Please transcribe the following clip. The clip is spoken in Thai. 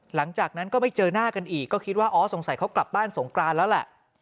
หลังจากนั้นก็ไม่เจอหน้ากันอีกก็คิดว่าอ๋อสงสัยเขากลับบ้านสงกรานแล้วแหละ